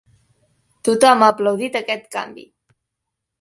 Tothom ha aplaudit aquest canvi.